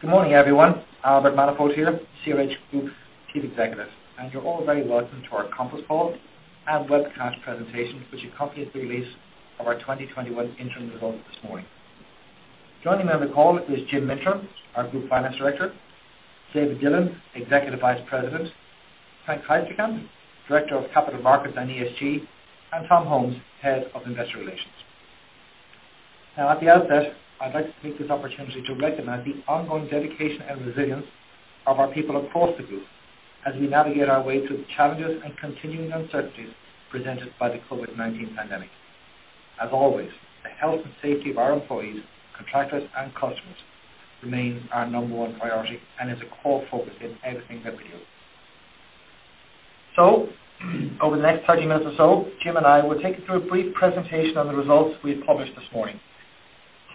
Good morning, everyone. Albert Manifold here, CRH plc's Chief Executive, and you're all very welcome to our conference call and webcast presentation, which accompanies the release of our 2021 interim results this morning. Joining me on the call is Jim Mintern, our Group Finance Director, David Dillon, Executive Vice President, Frank Heisterkamp, Director of Capital Markets and ESG, and Tom Holmes, Head of Investor Relations. At the outset, I'd like to take this opportunity to recognize the ongoing dedication and resilience of our people across the group as we navigate our way through the challenges and continuing uncertainties presented by the COVID-19 pandemic. As always, the health and safety of our employees, contractors, and customers remains our number one priority and is a core focus in everything that we do. Over the next 30 minutes or so, Jim and I will take you through a brief presentation on the results we've published this morning,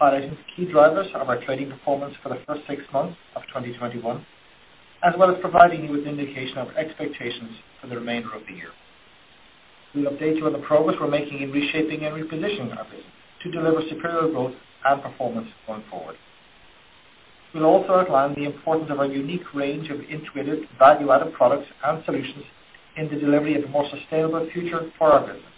highlighting the key drivers of our trading performance for the first 6 months of 2021, as well as providing you with an indication of expectations for the remainder of the year. We'll update you on the progress we're making in reshaping and repositioning our business to deliver superior growth and performance going forward. We'll also outline the importance of our unique range of intuitive value-added products and solutions in the delivery of a more sustainable future for our business,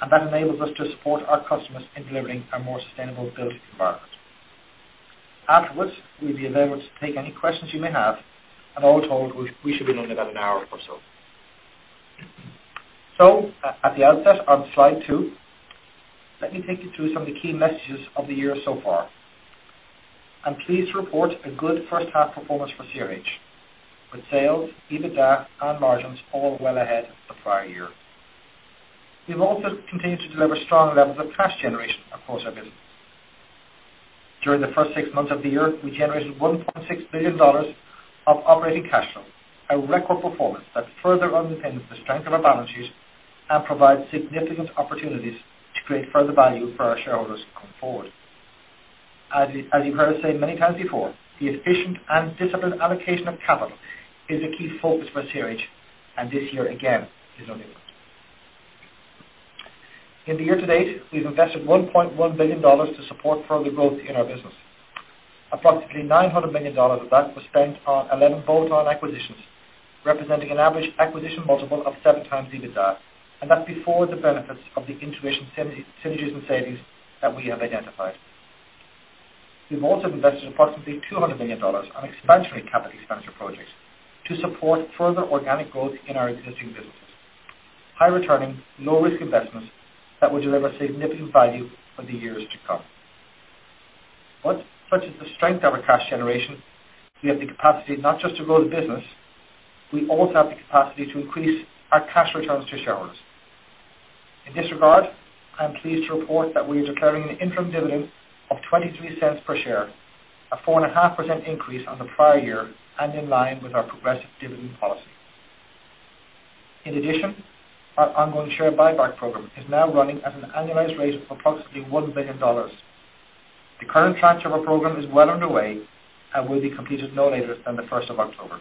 and that enables us to support our customers in delivering a more sustainable built environment. Afterwards, we'll be available to take any questions you may have, and all told, we should be done in about an hour or so. At the outset, on slide two, let me take you through some of the key messages of the year so far. I'm pleased to report a good first-half performance for CRH, with sales, EBITDA, and margins all well ahead of the prior year. We've also continued to deliver strong levels of cash generation across our business. During the first 6 months of the year, we generated $1.6 billion of operating cash flow, a record performance that further underpins the strength of our balance sheet and provides significant opportunities to create further value for our shareholders going forward. As you've heard us say many times before, the efficient and disciplined allocation of capital is a key focus for CRH, and this year, again, is no different. In the year-to-date, we've invested $1.1 billion to support further growth in our business. Approximately $900 million of that was spent on 11 bolt-on acquisitions, representing an average acquisition multiple of 7 times EBITDA, and that's before the benefits of the integration synergies and savings that we have identified. We've also invested approximately $200 million on expansionary capital expenditure projects to support further organic growth in our existing businesses. High-returning, low-risk investments that will deliver significant value for the years to come. Such is the strength of our cash generation, we have the capacity not just to grow the business, we also have the capacity to increase our cash returns to shareholders. In this regard, I am pleased to report that we are declaring an interim dividend of $0.23 per share, a 4.5% increase on the prior year, and in line with our progressive dividend policy. In addition, our ongoing share buyback program is now running at an annualized rate of approximately $1 billion. The current tranche of our program is well underway and will be completed no later than the 1st of October.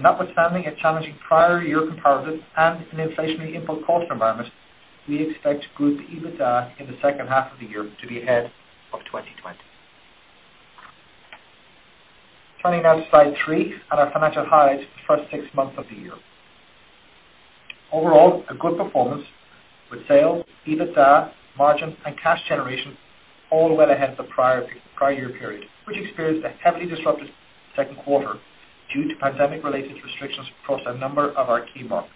Notwithstanding a challenging prior year comparative and an inflationary input cost environment, we expect group EBITDA in the second half of the year to be ahead of 2020. Turning now to slide three on our financial highs for the first six months of the year. Overall, a good performance with sales, EBITDA, margins, and cash generation all went ahead of the prior year period, which experienced a heavily disrupted second quarter due to pandemic-related restrictions across a number of our key markets.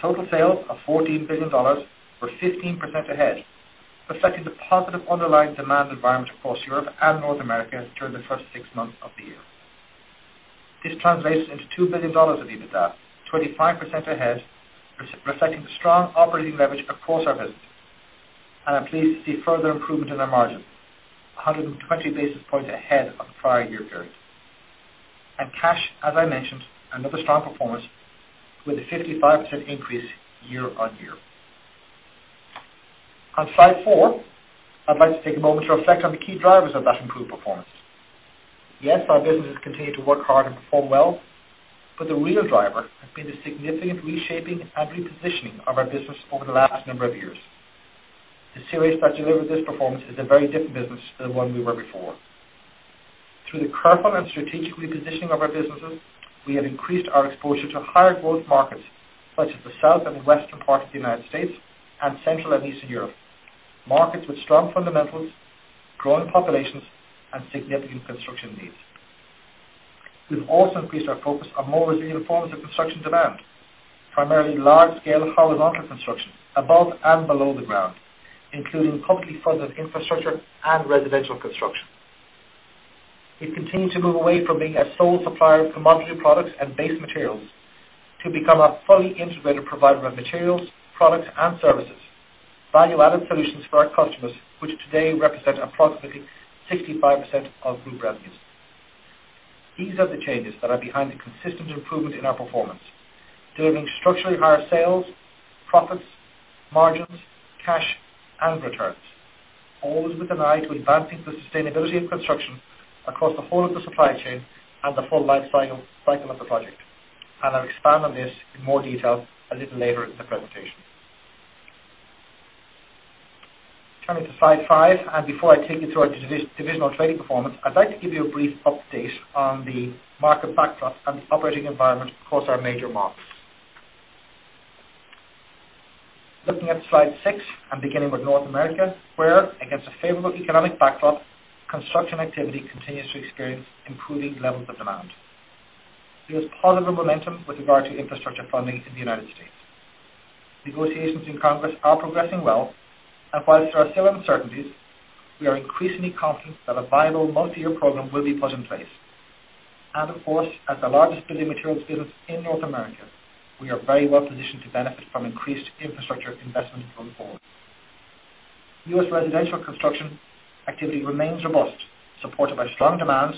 Total sales of $14 billion were 15% ahead, reflecting the positive underlying demand environment across Europe and North America during the first six months of the year. This translates into $2 billion of EBITDA, 25% ahead, reflecting the strong operating leverage across our business. I'm pleased to see further improvement in our margin, 120 basis points ahead of the prior year period. Cash, as I mentioned, another strong performance with a 55% increase year-over-year. On slide four, I'd like to take a moment to reflect on the key drivers of that improved performance. Yes, our businesses continue to work hard and perform well, but the real driver has been the significant reshaping and repositioning of our business over the last number of years. The CRH that delivered this performance is a very different business than the one we were before. Through the careful and strategic repositioning of our businesses, we have increased our exposure to higher-growth markets such as the South and Western parts of the U.S. and Central and Eastern Europe, markets with strong fundamentals, growing populations, and significant construction needs. We've also increased our focus on more resilient forms of construction demand, primarily large-scale horizontal construction above and below the ground, including publicly funded infrastructure and residential construction. We continue to move away from being a sole supplier of commodity products and base materials to become a fully integrated provider of materials, products, and services, value-added solutions for our customers, which today represent approximately 65% of group revenues. These are the changes that are behind the consistent improvement in our performance, delivering structurally higher sales, profits, margins, cash, and returns. Always with an eye to advancing the sustainability of construction across the whole of the supply chain and the full life cycle of the project. I'll expand on this in more detail a little later in the presentation. Turning to slide five, before I take you through our divisional trading performance, I'd like to give you a brief update on the market backdrop and the operating environment across our major markets. Looking at slide six, beginning with North America, where, against a favorable economic backdrop, construction activity continues to experience improving levels of demand. There is positive momentum with regard to infrastructure funding in the U.S. Negotiations in Congress are progressing well, and whilst there are still uncertainties, we are increasingly confident that a viable multi-year program will be put in place. Of course, as the largest building materials business in North America, we are very well positioned to benefit from increased infrastructure investment going forward. U.S. residential construction activity remains robust, supported by strong demand,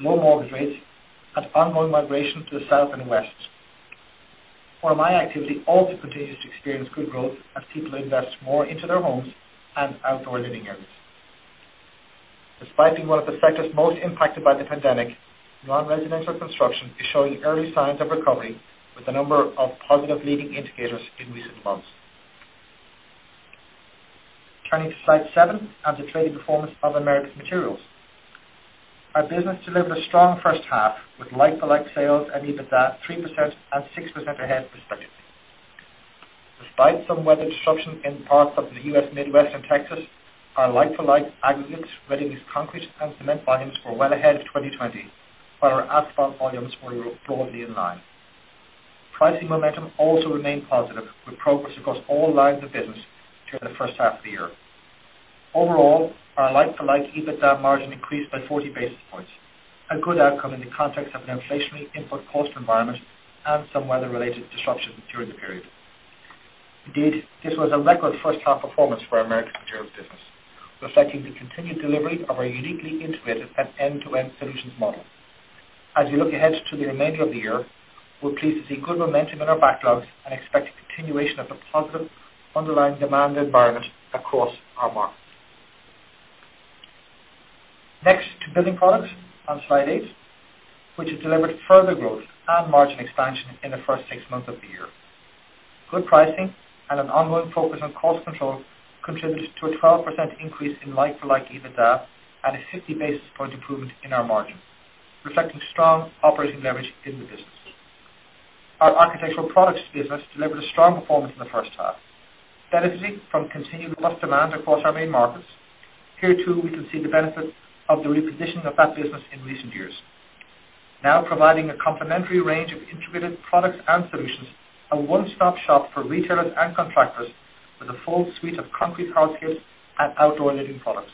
low mortgage rates, and ongoing migration to the South and West. RMI activity also continues to experience good growth as people invest more into their homes and outdoor living areas. Despite being one of the sectors most impacted by the pandemic, non-residential construction is showing early signs of recovery with a number of positive leading indicators in recent months. Turning to slide seven and the trading performance of Americas Materials. Our business delivered a strong first half with like-to-like sales and EBITDA 3% and 6% ahead respectively. Despite some weather disruption in parts of the U.S. Midwest and Texas, our like-for-like aggregates, readymix concrete, and cement volumes were well ahead of 2020, while our asphalt volumes were broadly in line. Pricing momentum also remained positive, with progress across all lines of business during the first half of the year. Overall, our like-to-like EBITDA margin increased by 40 basis points, a good outcome in the context of an inflationary input cost environment and some weather-related disruptions during the period. Indeed, this was a record first-half performance for our Americas Materials business, reflecting the continued delivery of our uniquely integrated and end-to-end solutions model. As we look ahead to the remainder of the year, we're pleased to see good momentum in our backlogs and expect a continuation of the positive underlying demand environment across our markets. Next to Building Products on slide eight, which has delivered further growth and margin expansion in the first six months of the year. Good pricing and an ongoing focus on cost control contributed to a 12% increase in like-to-like EBITDA and a 50 basis point improvement in our margin, reflecting strong operating leverage in the business. Our Architectural Products business delivered a strong performance in the first half, benefiting from continued robust demand across our main markets. Here, too, we can see the benefit of the repositioning of that business in recent years. Now providing a complementary range of integrated products and solutions, a one-stop shop for retailers and contractors with a full suite of concrete hardscape and outdoor living products.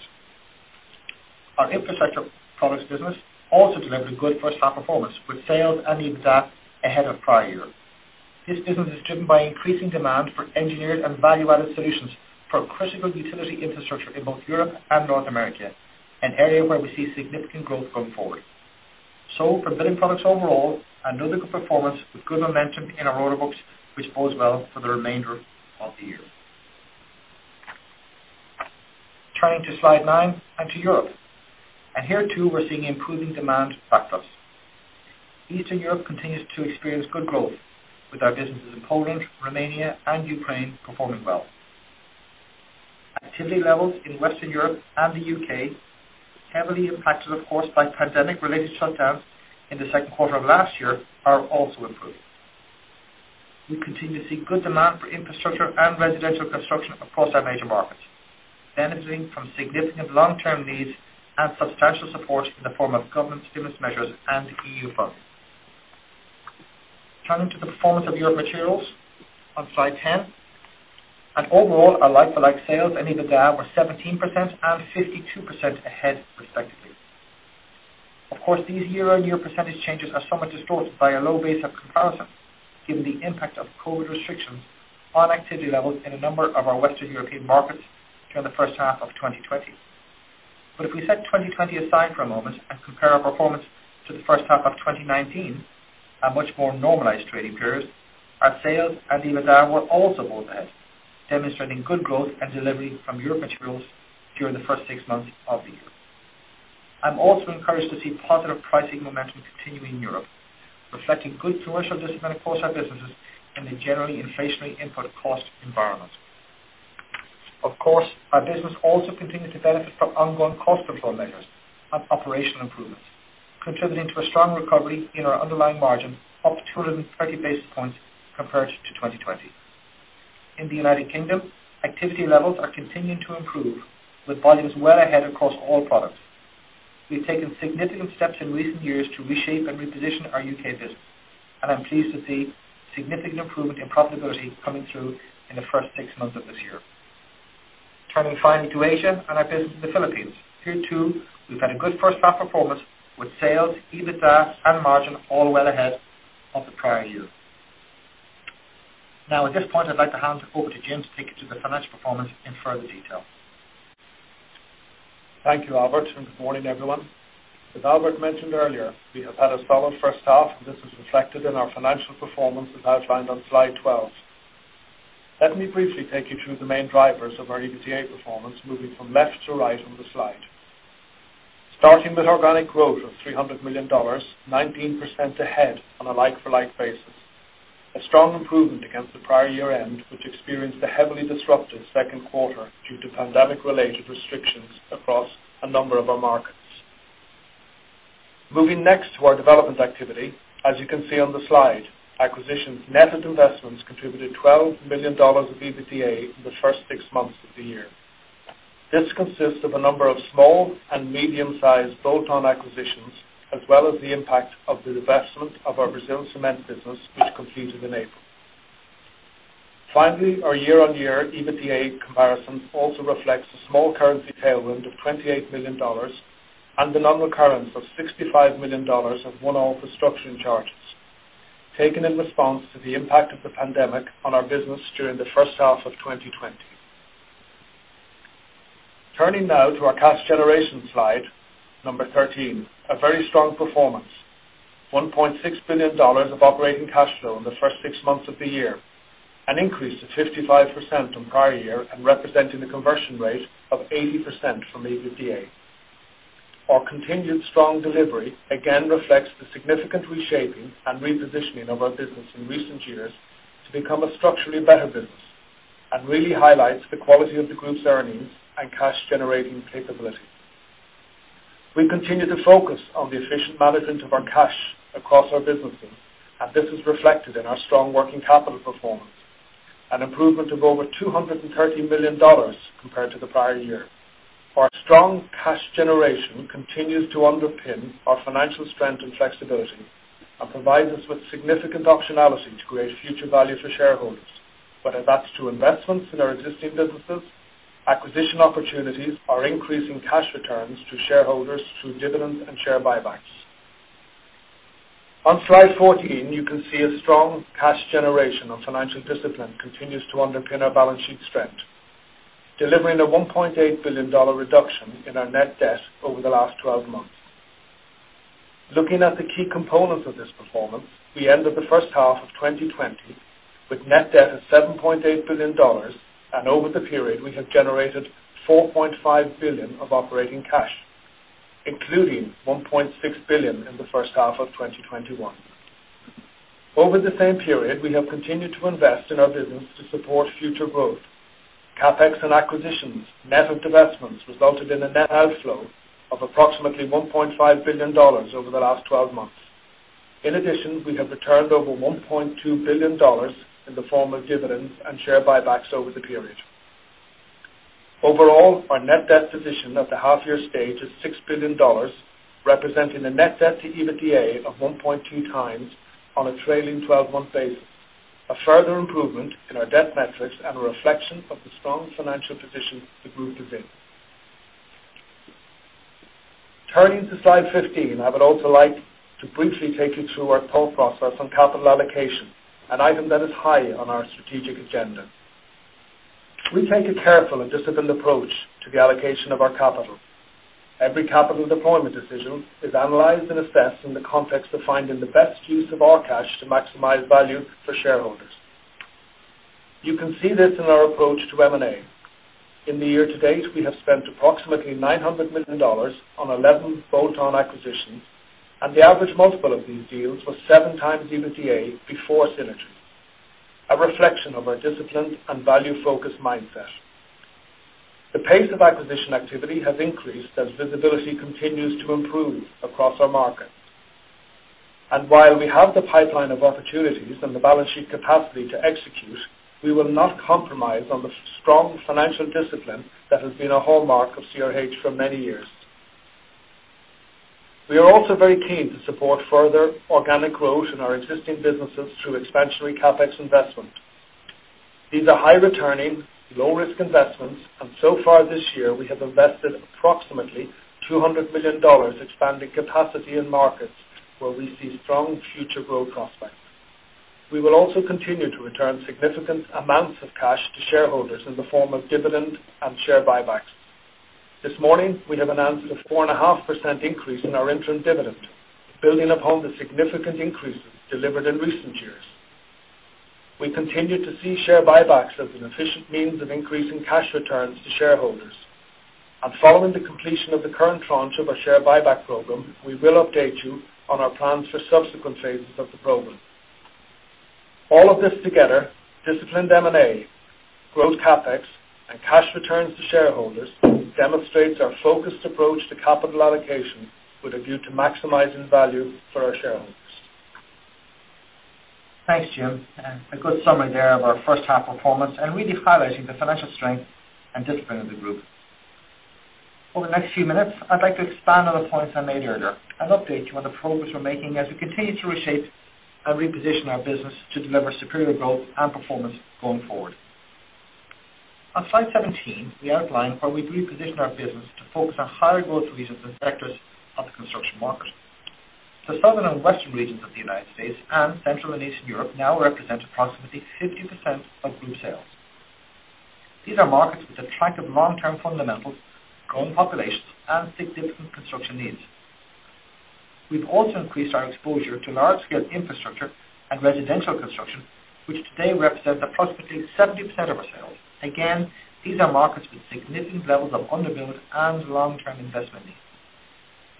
Our Infrastructure Products business also delivered a good first-half performance with sales and EBITDA ahead of prior year. This business is driven by increasing demand for engineered and value-added solutions for critical utility infrastructure in both Europe and North America, an area where we see significant growth going forward. For Building Products overall, another good performance with good momentum in our order books, which bodes well for the remainder of the year. Turning to slide nine and to Europe. Here, too, we're seeing improving demand factors. Eastern Europe continues to experience good growth, with our businesses in Poland, Romania, and Ukraine performing well. Activity levels in Western Europe and the U.K., heavily impacted, of course, by pandemic-related shutdowns in the second quarter of last year, are also improving. We continue to see good demand for infrastructure and residential construction across our major markets, benefiting from significant long-term needs and substantial support in the form of government stimulus measures and EU funds. Turning to the performance of Europe Materials on slide 10. Overall, our like-to-like sales and EBITDA were 17% and 52% ahead respectively. Of course, these year-on-year percentage changes are somewhat distorted by a low base of comparison, given the impact of COVID restrictions on activity levels in a number of our Western European markets during the first half of 2020. If we set 2020 aside for a moment and compare our performance to the first half of 2019, a much more normalized trading period, our sales and EBITDA were also both ahead, demonstrating good growth and delivery from Europe Materials during the first six months of the year. I'm also encouraged to see positive pricing momentum continue in Europe, reflecting good commercial discipline across our businesses in a generally inflationary input cost environment. Of course, our business also continued to benefit from ongoing cost control measures and operational improvements, contributing to a strong recovery in our underlying margin up 230 basis points compared to 2020. In the United Kingdom, activity levels are continuing to improve with volumes well ahead across all products. We've taken significant steps in recent years to reshape and reposition our U.K. business, and I'm pleased to see significant improvement in profitability coming through in the first six months of this year. Turning finally to Asia and our business in the Philippines. Here too, we've had a good first-half performance with sales, EBITDA, and margin all well ahead of the prior year. At this point, I'd like to hand over to Jim to take you through the financial performance in further detail. Thank you, Albert, and good morning, everyone. As Albert mentioned earlier, we have had a solid first half, and this is reflected in our financial performance as outlined on slide 12. Let me briefly take you through the main drivers of our EBITDA performance, moving from left to right on the slide. Starting with organic growth of $300 million, 19% ahead on a like-for-like basis. A strong improvement against the prior year-end, which experienced a heavily disruptive second quarter due to pandemic-related restrictions across a number of our markets. Moving next to our development activity. As you can see on the slide, acquisitions net of investments contributed $12 million of EBITDA in the first six months of the year. This consists of a number of small and medium-sized bolt-on acquisitions, as well as the impact of the divestment of our Brazil cement business, which completed in April. Finally, our year-on-year EBITDA comparison also reflects a small currency tailwind of $28 million and the non-recurrence of $65 million of one-off restructuring charges taken in response to the impact of the pandemic on our business during the first half of 2020. Turning now to our cash generation slide, number 13. A very strong performance, $1.6 billion of operating cash flow in the first six months of the year, an increase of 55% on prior year and representing a conversion rate of 80% from EBITDA. Our continued strong delivery again reflects the significant reshaping and repositioning of our business in recent years to become a structurally better business, really highlights the quality of the group's earnings and cash generating capability. We continue to focus on the efficient management of our cash across our businesses. This is reflected in our strong working capital performance, an improvement of over $230 million compared to the prior year. Our strong cash generation continues to underpin our financial strength and flexibility and provides us with significant optionality to create future value for shareholders, whether that's through investments in our existing businesses, acquisition opportunities, or increasing cash returns to shareholders through dividends and share buybacks. On slide 14, you can see strong cash generation and financial discipline continues to underpin our balance sheet strength, delivering a EUR 1.8 billion reduction in our net debt over the last 12 months. Looking at the key components of this performance, we end the first half of 2020 with net debt of $7.8 billion. Over the period, we have generated $4.5 billion of operating cash, including $1.6 billion in the first half of 2021. Over the same period, we have continued to invest in our business to support future growth. CapEx and acquisitions, net of divestments, resulted in a net outflow of approximately $1.5 billion over the last 12 months. In addition, we have returned over $1.2 billion in the form of dividends and share buybacks over the period. Overall, our net debt position at the half year stage is $6 billion, representing a net debt to EBITDA of 1.2 times on a trailing 12-month basis, a further improvement in our debt metrics and a reflection of the strong financial position the group is in. Turning to slide 15, I would also like to briefly take you through our thought process on capital allocation, an item that is high on our strategic agenda. We take a careful and disciplined approach to the allocation of our capital. Every capital deployment decision is analyzed and assessed in the context of finding the best use of our cash to maximize value for shareholders. You can see this in our approach to M&A. In the year to date, we have spent approximately $900 million on 11 bolt-on acquisitions. The average multiple of these deals was 7 times EBITDA before synergy, a reflection of our disciplined and value-focused mindset. The pace of acquisition activity has increased as visibility continues to improve across our markets. While we have the pipeline of opportunities and the balance sheet capacity to execute, we will not compromise on the strong financial discipline that has been a hallmark of CRH for many years. We are also very keen to support further organic growth in our existing businesses through expansionary CapEx investment. These are high returning, low risk investments. So far this year, we have invested approximately $200 million expanding capacity in markets where we see strong future growth prospects. We will also continue to return significant amounts of cash to shareholders in the form of dividend and share buybacks. This morning, we have announced a 4.5% increase in our interim dividend, building upon the significant increases delivered in recent years. We continue to see share buybacks as an efficient means of increasing cash returns to shareholders. Following the completion of the current tranche of our share buyback program, we will update you on our plans for subsequent phases of the program. All of this together, disciplined M&A, growth CapEx, and cash returns to shareholders, demonstrates our focused approach to capital allocation with a view to maximizing value for our shareholders. Thanks, Jim. A good summary there of our first half performance and really highlighting the financial strength and discipline of the group. Over the next few minutes, I would like to expand on the points I made earlier and update you on the progress we are making as we continue to reshape and reposition our business to deliver superior growth and performance going forward. On slide 17, we outline how we reposition our business to focus on higher growth regions and sectors of the construction market. The southern and western regions of the U.S. and Central and Eastern Europe now represent approximately 50% of group sales. These are markets with attractive long-term fundamentals, growing populations, and significant construction needs. We have also increased our exposure to large-scale infrastructure and residential construction, which today represent approximately 70% of our sales. Again, these are markets with significant levels of underbuild and long-term investment needs.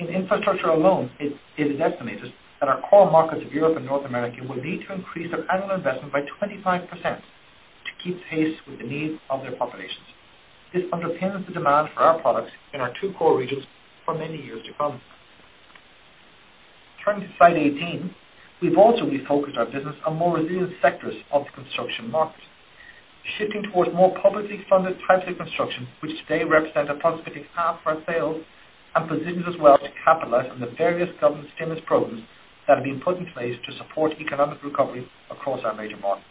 In infrastructure alone, it is estimated that our core markets of Europe and North America will need to increase their annual investment by 25% to keep pace with the needs of their populations. This underpins the demand for our products in our two core regions for many years to come. Turning to slide 18. We have also refocused our business on more resilient sectors of the construction market, shifting towards more publicly funded types of construction, which today represent approximately half our sales and positions us well to capitalize on the various government stimulus programs that have been put in place to support economic recovery across our major markets.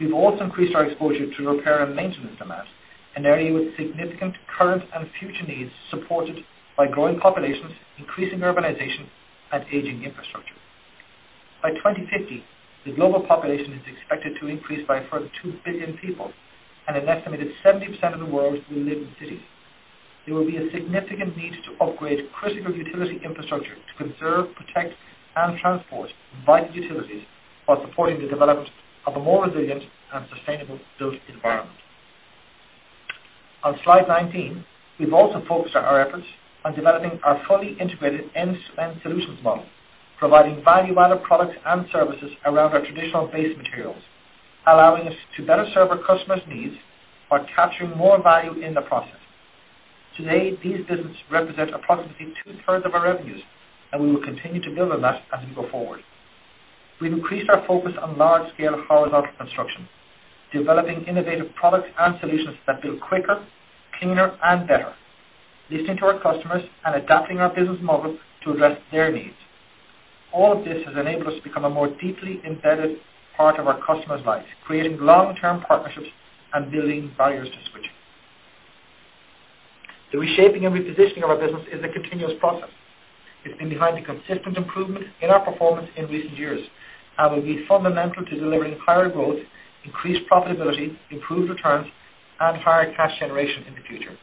We have also increased our exposure to repair and maintenance demand, an area with significant current and future needs supported by growing populations, increasing urbanization, and aging infrastructure. By 2050, the global population is expected to increase by a further 2 billion people, and an estimated 70% of the world will live in cities. There will be a significant need to upgrade critical utility infrastructure to conserve, protect, and transport vital utilities while supporting the development of a more resilient and sustainable built environment. On slide 19, we have also focused our efforts on developing our fully integrated end-to-end solutions model, providing value-added products and services around our traditional base materials, allowing us to better serve our customers' needs while capturing more value in the process. Today, these businesses represent approximately two-thirds of our revenues, and we will continue to build on that as we go forward. We have increased our focus on large-scale horizontal construction, developing innovative products and solutions that build quicker, cleaner, and better, listening to our customers and adapting our business model to address their needs. All of this has enabled us to become a more deeply embedded part of our customers' lives, creating long-term partnerships and building barriers to switching. The reshaping and repositioning of our business is a continuous process. It's been behind the consistent improvement in our performance in recent years and will be fundamental to delivering higher growth, increased profitability, improved returns, and higher cash generation in the future.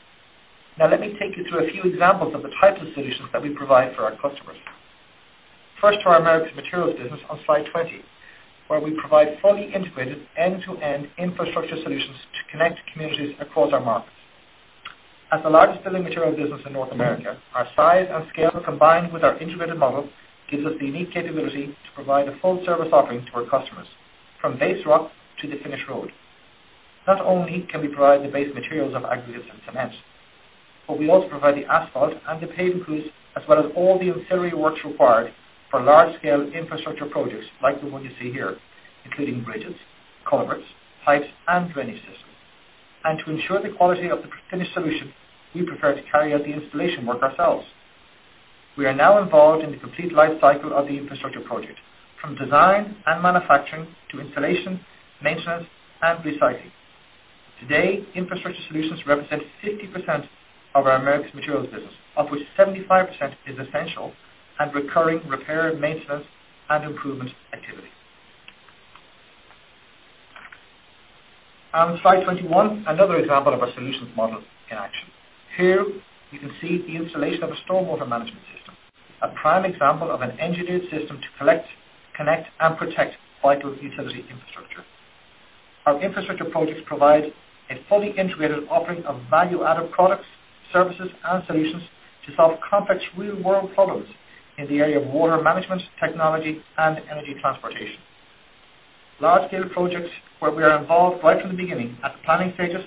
Let me take you through a few examples of the types of solutions that we provide for our customers. First to our Americas Materials business on slide 20, where we provide fully integrated end-to-end infrastructure solutions to connect communities across our markets. As the largest building material business in North America, our size and scale, combined with our integrated model, gives us the unique capability to provide a full-service offering to our customers from base rock to the finished road. Not only can we provide the base materials of aggregates and cements, but we also provide the asphalt and the paving crews, as well as all the ancillary works required for large-scale infrastructure projects like the one you see here, including bridges, culverts, pipes, and drainage systems. To ensure the quality of the finished solution, we prefer to carry out the installation work ourselves. We are now involved in the complete lifecycle of the infrastructure project, from design and manufacturing to installation, maintenance, and recycling. Today, infrastructure solutions represent 50% of our Americas Materials business, of which 75% is essential and recurring repair, maintenance, and improvement activity. On slide 21, another example of our solutions model in action. Here, you can see the installation of a stormwater management system, a prime example of an engineered system to collect, connect, and protect vital utility infrastructure. Our infrastructure projects provide a fully integrated offering of value-added products, services, and solutions to solve complex real-world problems in the area of water management, technology, and energy transportation. Large-scale projects where we are involved right from the beginning at the planning stages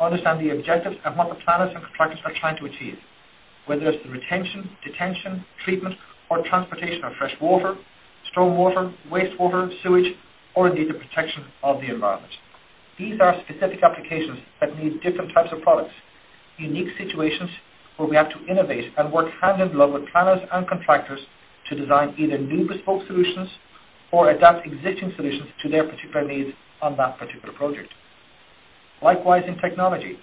understand the objectives and what the planners and contractors are trying to achieve, whether it's the retention, detention, treatment, or transportation of fresh water, storm water, wastewater, sewage, or indeed the protection of the environment. These are specific applications that need different types of products, unique situations where we have to innovate and work hand in glove with planners and contractors to design either new bespoke solutions or adapt existing solutions to their particular needs on that particular project. Likewise, in technology,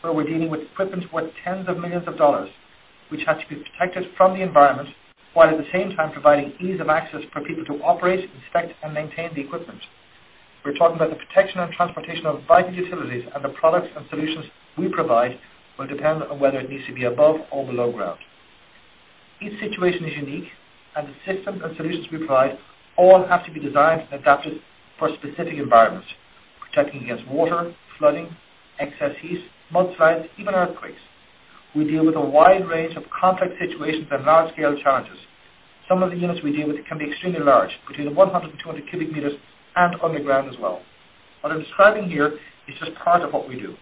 where we're dealing with equipment worth tens of millions of dollars, which has to be protected from the environment, while at the same time providing ease of access for people to operate, inspect, and maintain the equipment. We're talking about the protection and transportation of vital utilities, and the products and solutions we provide will depend on whether it needs to be above or below ground. Each situation is unique, and the systems and solutions we provide all have to be designed and adapted for specific environments, protecting against water, flooding, excess heat, mudslides, even earthquakes. We deal with a wide range of complex situations and large-scale challenges. Some of the units we deal with can be extremely large, between 100 and 200 cubic meters, and underground as well. What I'm describing here is just part of what we do.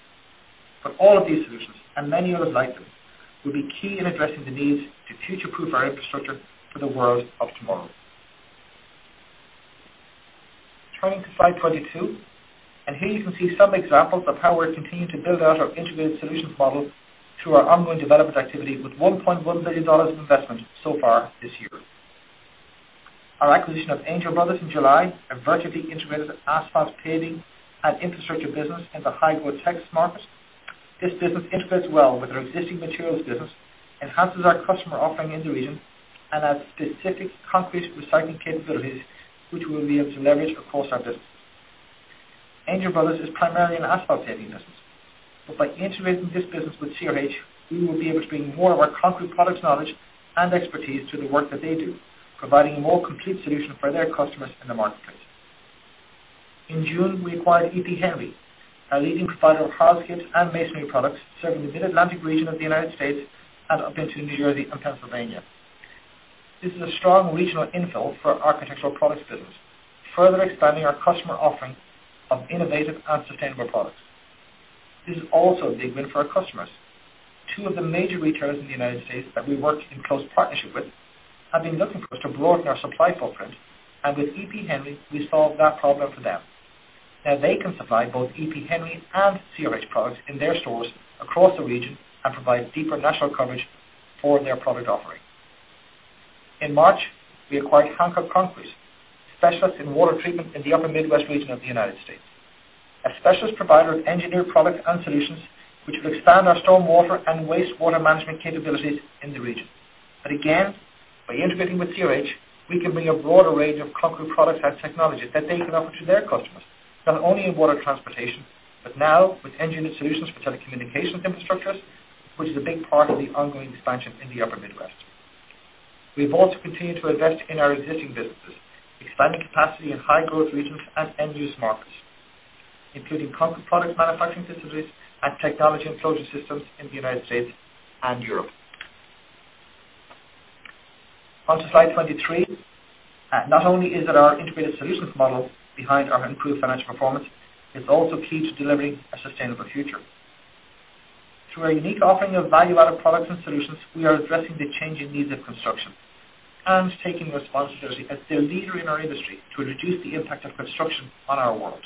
All of these solutions, and many others like them, will be key in addressing the needs to future-proof our infrastructure for the world of tomorrow. Turning to slide 22, here you can see some examples of how we're continuing to build out our integrated solutions model through our ongoing development activity with $1.1 billion of investment so far this year. Our acquisition of Angel Brothers in July have vertically integrated asphalt paving and infrastructure business in the high growth Texas market. This business integrates well with our existing materials business, enhances our customer offering in the region, and adds specific concrete recycling capabilities, which we'll be able to leverage across our business. Angel Brothers is primarily an asphalt paving business, by integrating this business with CRH, we will be able to bring more of our concrete products knowledge and expertise to the work that they do, providing a more complete solution for their customers in the marketplace. In June, we acquired EP Henry, a leading provider of hardscape and masonry products, serving the Mid-Atlantic region of the U.S. and up into New Jersey and Pennsylvania. This is a strong regional infill for our Architectural Products business, further expanding our customer offering of innovative and sustainable products. This is also a big win for our customers. Two of the major retailers in the U.S. that we worked in close partnership with have been looking for us to broaden our supply footprint, with EP Henry, we solved that problem for them. Now they can supply both EP Henry and CRH products in their stores across the region and provide deeper national coverage for their product offering. In March, we acquired Hancock Concrete, specialist in water treatment in the upper Midwest region of the U.S., a specialist provider of engineered products and solutions which will expand our stormwater and wastewater management capabilities in the region. Again, by integrating with CRH, we can bring a broader range of concrete products and technologies that they can offer to their customers, not only in water transportation, but now with engineered solutions for telecommunications infrastructures, which is a big part of the ongoing expansion in the upper Midwest. We've also continued to invest in our existing businesses, expanding capacity in high growth regions and end-use markets, including concrete product manufacturing facilities and technology and closure systems in the U.S. and Europe. On to slide 23. Not only is it our integrated solutions model behind our improved financial performance, it's also key to delivering a sustainable future. Through our unique offering of value-added products and solutions, we are addressing the changing needs of construction and taking responsibility as the leader in our industry to reduce the impact of construction on our world.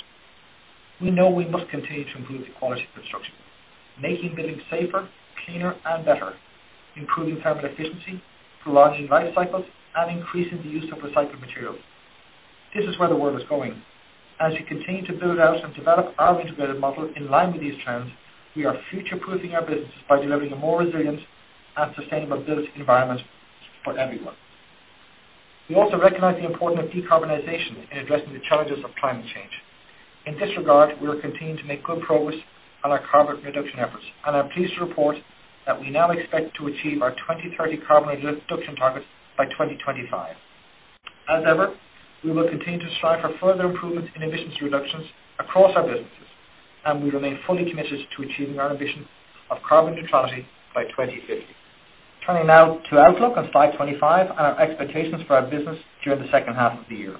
We know we must continue to improve the quality of construction, making buildings safer, cleaner and better, improving thermal efficiency, prolonging life cycles, and increasing the use of recycled materials. This is where the world is going. As we continue to build out and develop our integrated model in line with these trends, we are future-proofing our businesses by delivering a more resilient and sustainable built environment for everyone. We also recognize the importance of decarbonization in addressing the challenges of climate change. In this regard, we are continuing to make good progress on our carbon reduction efforts, and I'm pleased to report that we now expect to achieve our 2030 carbon reduction targets by 2025. As ever, we will continue to strive for further improvements in emissions reductions across our businesses, and we remain fully committed to achieving our ambition of carbon neutrality by 2050. Turning now to outlook on slide 25 and our expectations for our business during the second half of the year.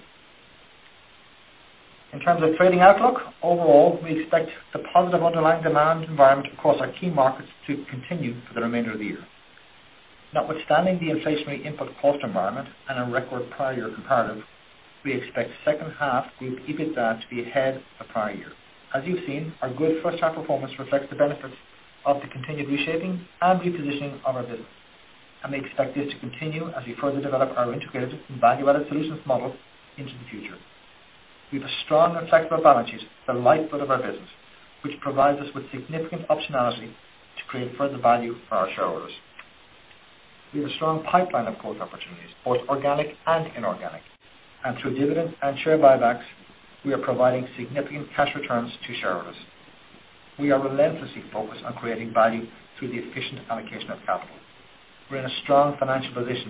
In terms of trading outlook, overall, we expect the positive underlying demand environment across our key markets to continue for the remainder of the year. Notwithstanding the inflationary input cost environment and a record prior year comparative, we expect second half group EBITDA to be ahead of prior year. As you've seen, our good first half performance reflects the benefits of the continued reshaping and repositioning of our business. We expect this to continue as we further develop our integrated and value-added solutions model into the future. We have a strong and flexible balance sheet at the lifeblood of our business, which provides us with significant optionality to create further value for our shareholders. We have a strong pipeline of growth opportunities, both organic and inorganic. Through dividend and share buybacks, we are providing significant cash returns to shareholders. We are relentlessly focused on creating value through the efficient allocation of capital. We're in a strong financial position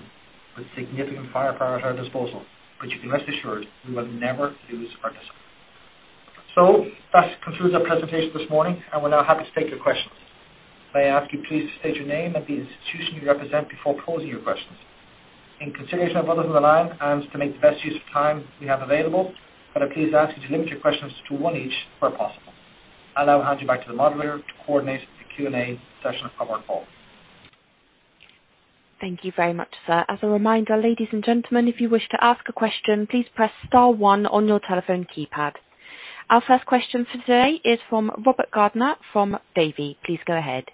with significant firepower at our disposal. You can rest assured we will never lose our discipline. That concludes our presentation this morning, and we're now happy to take your questions. May I ask you please to state your name and the institution you represent before posing your questions. In consideration of others on the line and to make the best use of time we have available, could I please ask you to limit your questions to one each where possible. I'll now hand you back to the moderator to coordinate the Q&A session for our call. Thank you very much, sir. As a reminder, ladies and gentlemen, if you wish to ask a question, please press star one on your telephone keypad. Our first question for today is from Robert Gardiner from Davy. Please go ahead.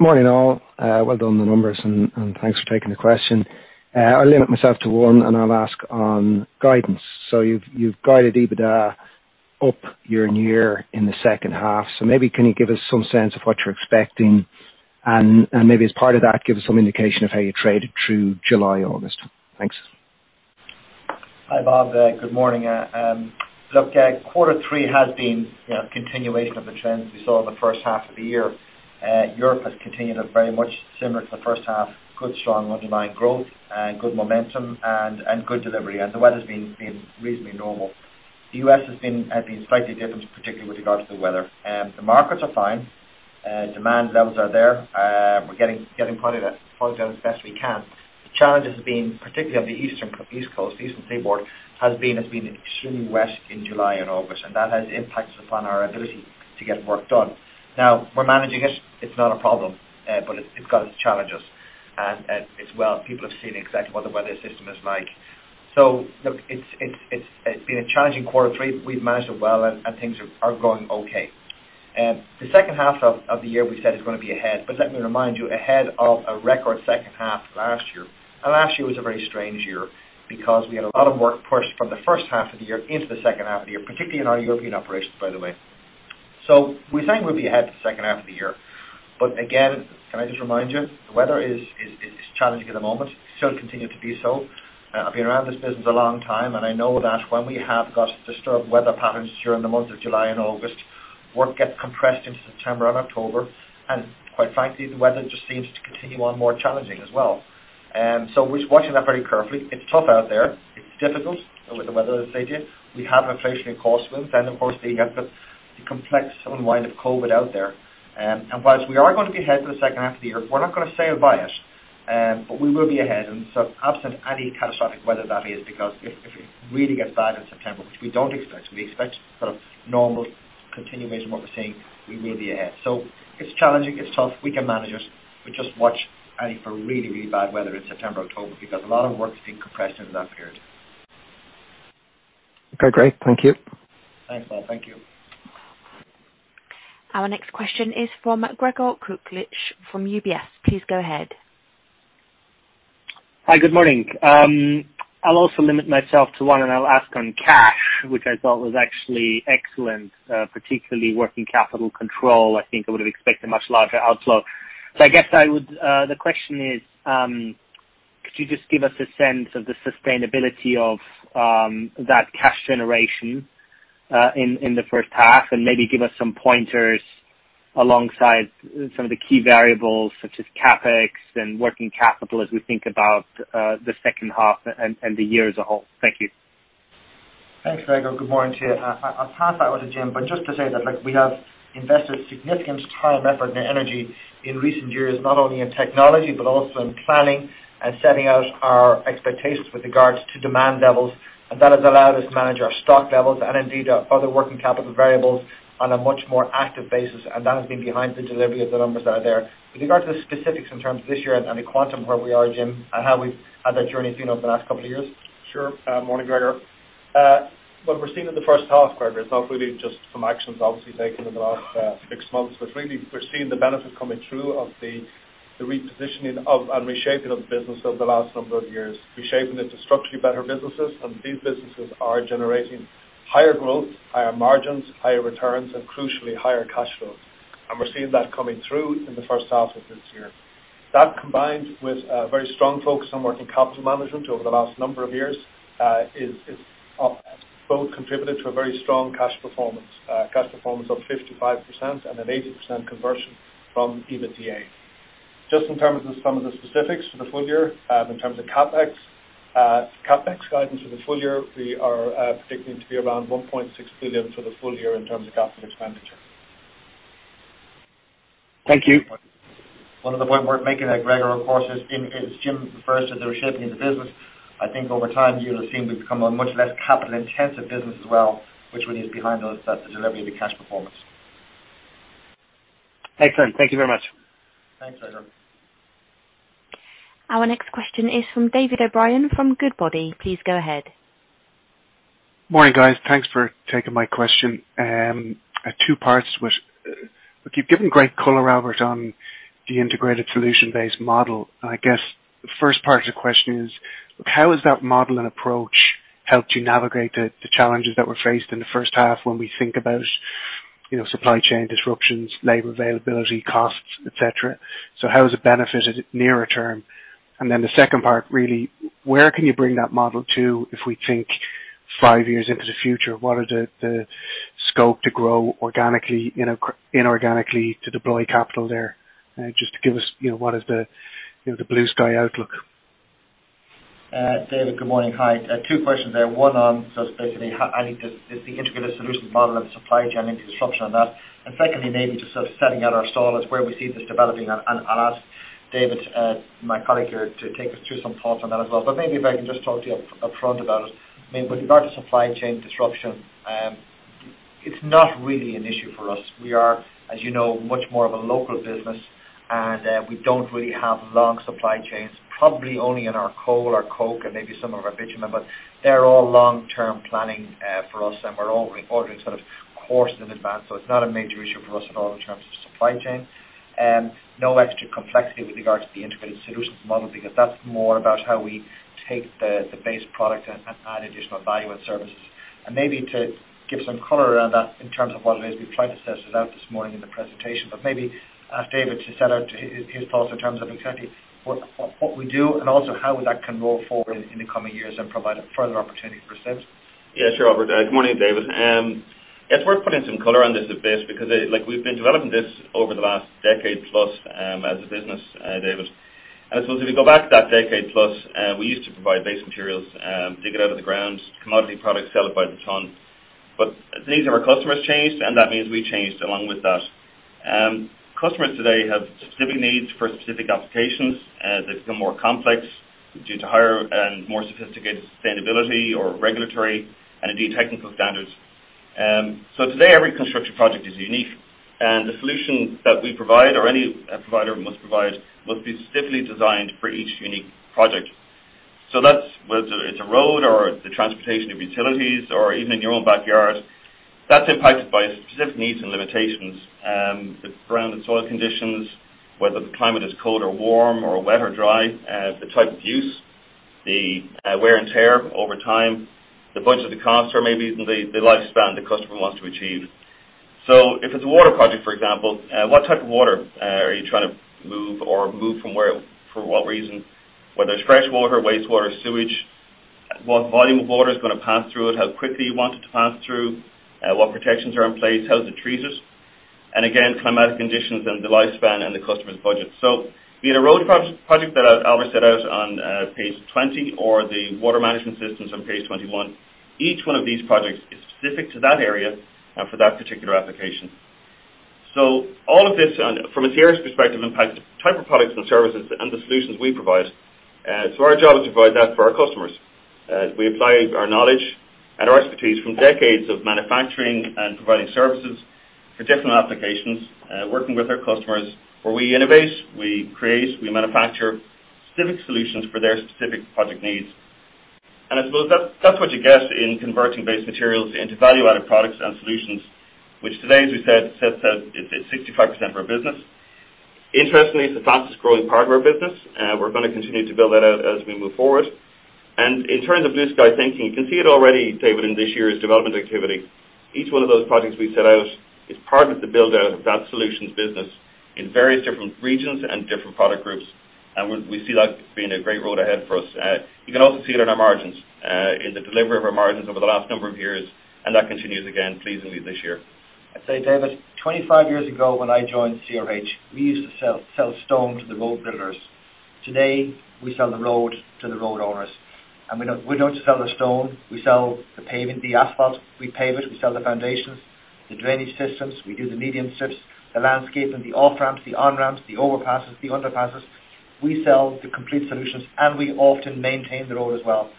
Morning all. Well done on the numbers and thanks for taking the question. I limit myself to one and I'll ask on guidance. You've guided EBITDA up year-on-year in the second half. Maybe can you give us some sense of what you're expecting and, maybe as part of that, give us some indication of how you traded through July, August. Thanks. Hi, Bob. Good morning. Quarter three has been a continuation of the trends we saw in the first half of the year. Europe has continued very much similar to the first half, good, strong underlying growth and good momentum and good delivery, and the weather's been reasonably normal. The U.S. has been slightly different, particularly with regard to the weather. The markets are fine. Demand levels are there. We're getting product out as best we can. The challenges have been, particularly on the East Coast, Eastern Seaboard, has been it's been extremely wet in July and August, and that has impacted upon our ability to get work done. We're managing it. It's not a problem, but it's got its challenges, and as well, people have seen exactly what the weather system is like. It's been a challenging quarter three, but we've managed it well and things are going okay. The second half of the year, we said, is going to be ahead. Let me remind you, ahead of a record second half last year. Last year was a very strange year because we had a lot of work pushed from the first half of the year into the second half of the year, particularly in our European operations, by the way. We think we'll be ahead the second half of the year. Again, can I just remind you, the weather is challenging at the moment, still continue to do so. I've been around this business a long time, and I know that when we have got disturbed weather patterns during the months of July and August, work gets compressed into September and October, and quite frankly, the weather just seems to continue on more challenging as well. We're watching that very carefully. It's tough out there. It's difficult with the weather, as I said. We have inflationary cost winds, and of course, we have the complex unwind of COVID-19 out there. Whilst we are going to be ahead for the second half of the year, we're not going to save by it, but we will be ahead. Absent any catastrophic weather, that is, because if it really gets bad in September, which we don't expect, we expect sort of normal continuation of what we're seeing, we will be ahead. It's challenging. It's tough. We can manage it. We just watch out for really bad weather in September, October, because a lot of work is being compressed into that period. Okay, great. Thank you. Thanks, Paul. Thank you. Our next question is from Gregor Kuglitsch from UBS. Please go ahead. Hi, good morning. I'll also limit myself to one, and I'll ask on cash, which I thought was actually excellent, particularly working capital control. I think I would have expected much larger outflow. I guess the question is, could you just give us a sense of the sustainability of that cash generation in the first half, and maybe give us some pointers alongside some of the key variables such as CapEx and working capital as we think about the second half and the year as a whole? Thank you. Thanks, Gregor. Good morning to you. I'll pass that on to Jim, but just to say that, look, we have invested significant time, effort, and energy in recent years, not only in technology but also in planning and setting out our expectations with regards to demand levels, and that has allowed us to manage our stock levels and indeed our further working capital variables on a much more active basis, and that has been behind the delivery of the numbers that are there. With regard to the specifics in terms of this year and the quantum where we are, Jim, and how we've had that journey over the last couple of years. Sure. Morning, Gregor. What we're seeing in the first half, Gregor, it's not really just some actions obviously taken in the last six months, but really we're seeing the benefit coming through of the repositioning of and reshaping of the business over the last number of years, reshaping into structurally better businesses, and these businesses are generating higher growth, higher margins, higher returns, and crucially, higher cash flows. We're seeing that coming through in the first half of this year. That, combined with a very strong focus on working capital management over the last number of years, has both contributed to a very strong cash performance. Cash performance of 55% and an 80% conversion from EBITDA. Just in terms of some of the specifics for the full year, in terms of CapEx. CapEx guidance for the full year, we are predicting to be around $1.6 billion for the full year in terms of capital expenditure. Thank you. One other point worth making there, Gregor, of course, as Jim refers to the reshaping of the business, I think over time, you'll have seen we've become a much less capital-intensive business as well, which is behind the delivery of the cash performance. Excellent. Thank you very much. Thanks, Gregor. Our next question is from David O'Brien from Goodbody. Please go ahead. Morning, guys. Thanks for taking my question. Two parts, which you've given great color, Albert, on the integrated solution-based model. I guess the first part of the question is, how has that model and approach helped you navigate the challenges that were faced in the first half when we think about supply chain disruptions, labor availability, costs, et cetera. How has it benefited nearer term? The second part, really, where can you bring that model to if we think five years into the future? What is the scope to grow organically, inorganically to deploy capital there? Just to give us what is the blue sky outlook. David, good morning. Hi. Two questions there. One on, basically, the integrated solutions model and supply chain interruption on that. Secondly, maybe just sort of setting out our stall as where we see this developing and ask David, my colleague here, to take us through some thoughts on that as well. Maybe if I can just talk to you upfront about it. I mean, with regard to supply chain disruption, it's not really an issue for us. We are, as you know, much more of a local business, and we don't really have long supply chains, probably only in our coal or coke and maybe some of our bitumen, but they're all long-term planning for us, and we're ordering sort of course in advance. It's not a major issue for us at all in terms of supply chain. No extra complexity with regards to the integrated solutions model because that's more about how we take the base product and add additional value and services. Maybe to give some color around that in terms of what it is we've tried to set it out this morning in the presentation, but maybe ask David to set out his thoughts in terms of exactly what we do and also how that can roll forward in the coming years and provide a further opportunity for us there. Yeah, sure, Albert. Good morning, David. It's worth putting some color on this a bit because we've been developing this over the last decade plus as a business, David. If you go back that decade plus, we used to provide base materials, dig it out of the ground, commodity products sell it by the ton. The needs of our customers changed, and that means we changed along with that. Customers today have specific needs for specific applications. They've become more complex due to higher and more sophisticated sustainability or regulatory and indeed technical standards. Today, every construction project is unique, and the solution that we provide or any provider must provide must be specifically designed for each unique project. It's a road or the transportation of utilities or even in your own backyard, that's impacted by specific needs and limitations, the ground and soil conditions, whether the climate is cold or warm or wet or dry, the type of use, the wear and tear over time, the budget, the cost, or maybe even the lifespan the customer wants to achieve. If it's a water project, for example, what type of water are you trying to move or move from where, for what reason, whether it's fresh water, wastewater, sewage, what volume of water is going to pass through it, how quickly you want it to pass through, what protections are in place, how it treats it, and again, climatic conditions and the lifespan and the customer's budget. Be it a road project that Albert set out on page 20 or the water management systems on page 21, each one of these projects is specific to that area for that particular application. All of this, from a CRH perspective, impacts the type of products and services and the solutions we provide. Our job is to provide that for our customers. We apply our knowledge and our expertise from decades of manufacturing and providing services for different applications, working with our customers where we innovate, we create, we manufacture specific solutions for their specific project needs. I suppose that's what you get in converting base materials into value-added products and solutions, which today, as we said, Senan said, it's 65% of our business. Interestingly, it's the fastest-growing part of our business. We're going to continue to build that out as we move forward. In terms of blue sky thinking, you can see it already, David, in this year's development activity. Each one of those projects we set out is part of the build-out of that solutions business in various different regions and different product groups. We see that being a great road ahead for us. You can also see it in our margins, in the delivery of our margins over the last number of years, and that continues again pleasingly this year. I'd say, David, 25 years ago when I joined CRH, we used to sell stone to the road builders. Today, we sell the road to the road owners. We don't just sell the stone, we sell the pavement, the asphalt, we pave it, we sell the foundations, the drainage systems, we do the median strips, the landscaping, the off-ramps, the on-ramps, the overpasses, the underpasses. We sell the complete solutions, and we often maintain the road as well.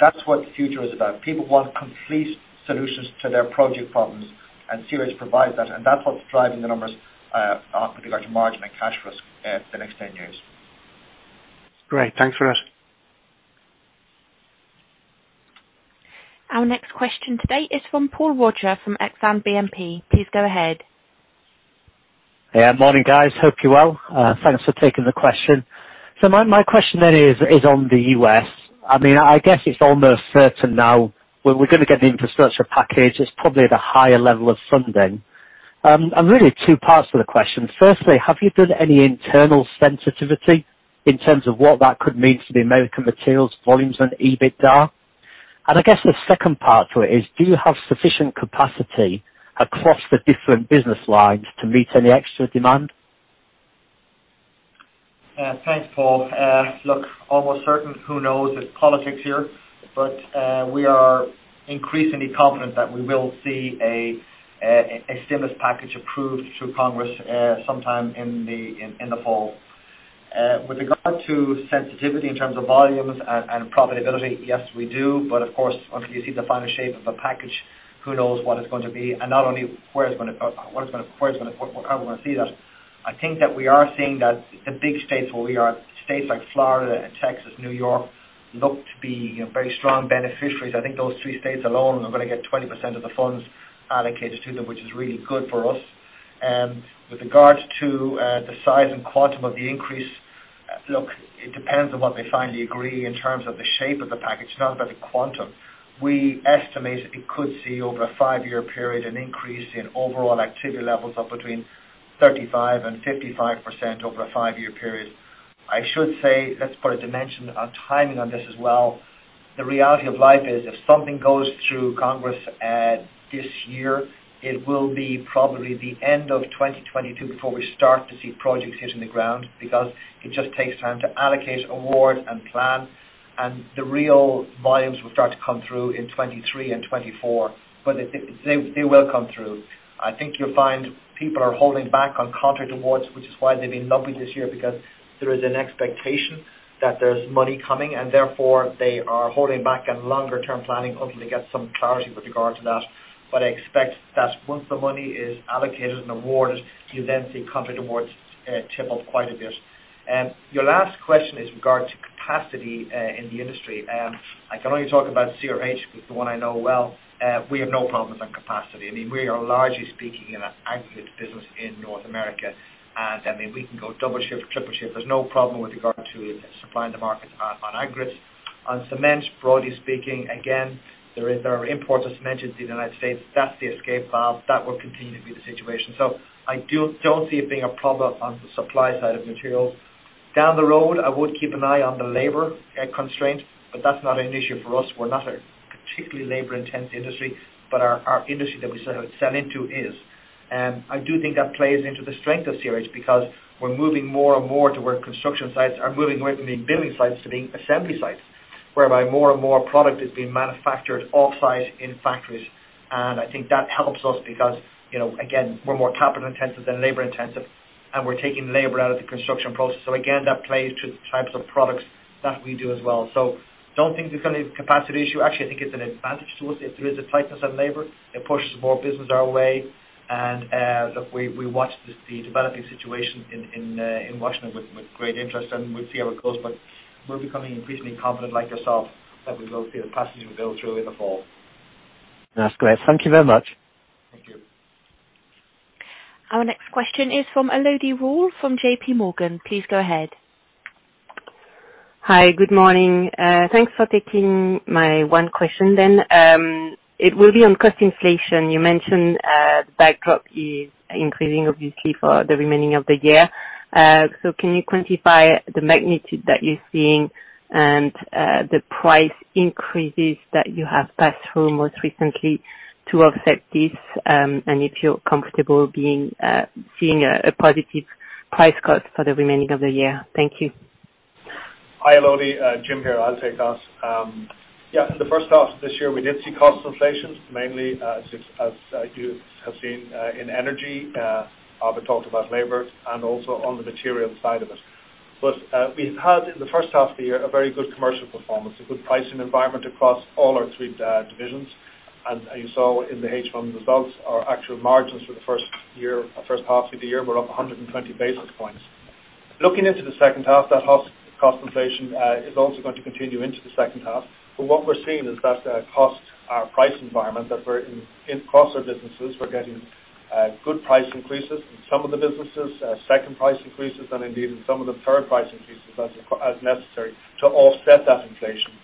That's what the future is about. People want complete solutions to their project problems, and CRH provides that, and that's what's driving the numbers with regard to margin and cash for us the next 10 years. Great. Thanks for that. Our next question today is from Paul Roger from Exane BNP. Please go ahead. Yeah. Morning, guys. Hope you're well. Thanks for taking the question. My question then is on the U.S. I guess it's almost certain now we're going to get the infrastructure package. It's probably at a higher level of funding. Really two parts to the question. Firstly, have you done any internal sensitivity in terms of what that could mean to the Americas Materials volumes and EBITDA? I guess the second part to it is, do you have sufficient capacity across the different business lines to meet any extra demand? Thanks, Paul. Look, almost certain. Who knows? It's politics here. We are increasingly confident that we will see a stimulus package approved through Congress sometime in the fall. With regard to sensitivity in terms of volumes and profitability, yes, we do. Of course, until you see the final shape of the package, who knows what it's going to be, and not only how we're going to see that. I think that we are seeing that the big states where we are, states like Florida and Texas, New York, look to be very strong beneficiaries. I think those three states alone are going to get 20% of the funds allocated to them, which is really good for us. With regards to the size and quantum of the increase, look, it depends on what they finally agree in terms of the shape of the package, not about the quantum. We estimate it could see over a five-year period an increase in overall activity levels of between 35% and 55% over a five-year period. I should say, let's put a dimension on timing on this as well. The reality of life is if something goes through Congress this year, it will be probably the end of 2022 before we start to see projects hitting the ground because it just takes time to allocate awards and plan, and the real volumes will start to come through in 2023 and 2024. They will come through. I think you'll find people are holding back on contract awards, which is why they've been lumpy this year because there is an expectation that there's money coming, and therefore they are holding back on longer-term planning until they get some clarity with regard to that. I expect that once the money is allocated and awarded, you'll then see contract awards tip up quite a bit. Your last question is regard to capacity in the industry. I can only talk about CRH, which is the one I know well. We have no problems on capacity. We are largely speaking in an aggregate business in North America. We can go double shift, triple shift. There's no problem with regard to supplying the markets on aggregates. On cement, broadly speaking, again, there are imports of cement into the United States. That's the escape valve. That will continue to be the situation. I don't see it being a problem on the supply side of materials. Down the road, I would keep an eye on the labor constraint. That's not an issue for us. We're not a particularly labor-intensive industry. Our industry that we sell into is. I do think that plays into the strength of CRH because we're moving more and more to where construction sites are moving away from being building sites to being assembly sites, whereby more and more product is being manufactured off-site in factories. I think that helps us because, again, we're more capital-intensive than labor-intensive, and we're taking labor out of the construction process. Again, that plays to the types of products that we do as well. Don't think there's going to be a capacity issue. Actually, I think it's an advantage to us if there is a tightness on labor. It pushes more business our way. Look, we watch the developing situation in Washington with great interest, and we'll see how it goes, but we're becoming increasingly confident, like yourself, that we will see the capacity to build through in the fall. That's great. Thank you very much. Our next question is from Elodie Rall from JPMorgan. Please go ahead. Hi. Good morning. Thanks for taking my one question then. It will be on cost inflation. You mentioned the backdrop is increasing, obviously, for the remaining of the year. Can you quantify the magnitude that you're seeing and the price increases that you have passed through most recently to offset this, and if you're comfortable seeing a positive price/cost for the remaining of the year? Thank you. Hi, Elodie. Jim here. I'll take that. Yeah. In the first half of this year, we did see cost inflations, mainly, as you have seen, in energy. Albert talked about labor and also on the material side of it. We had, in the first half of the year, a very good commercial performance, a good pricing environment across all our three divisions. You saw in the H1 results our actual margins for the first half of the year were up 120 basis points. Looking into the second half, that cost inflation is also going to continue into the second half. What we're seeing is that cost, our price environment that we're in across our businesses, we're getting good price increases in some of the businesses, second price increases, and indeed in some of the third price increases as necessary to offset that inflation.